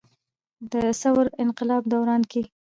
د ثور انقلاب دوران کښې